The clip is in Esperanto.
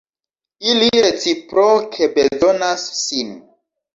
Ili reciproke bezonas sin.